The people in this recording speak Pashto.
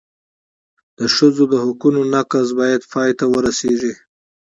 د ښځو د حقونو نقض باید پای ته ورسېږي.